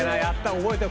覚えてる。